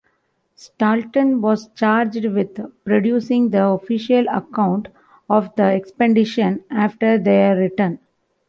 Staunton was charged with producing the official account of the expedition after their return.